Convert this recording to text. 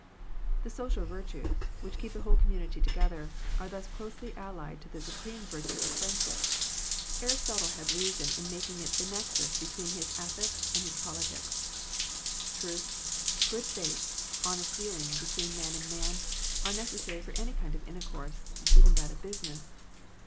The social virtues, which keep the whole community together, are thus closely allied to the supreme virtue of friendship. Aristotle had reason in making 157 Digitized by VjOOQIC THE WRECK OF FRIENDSHIP it the nexus between his Ethics and his Politics. Truth, good faith, honest deal ing between man and man, are necessary for any kind of intercourse, even that of business.